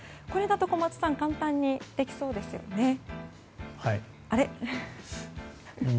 これだと小松さん簡単にできそうですね。